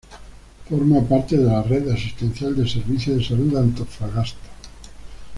Forma parte de la red asistencial del Servicio de Salud Antofagasta.